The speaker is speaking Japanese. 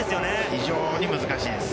非常に難しいです。